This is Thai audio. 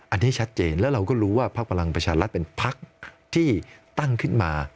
อันนี้ชัดเจนแล้วเราก็รู้ว่าพักพลังประชารัฐเป็นพักที่ตั้งขึ้นมา